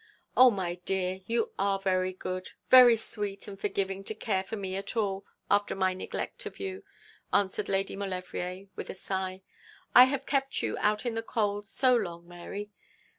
'Oh, my dear, you are very good, very sweet and forgiving to care for me at all, after my neglect of you,' answered Lady Maulevrier, with a sigh. 'I have kept you out in the cold so long, Mary.